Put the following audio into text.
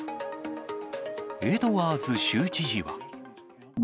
エドワーズ州知事は。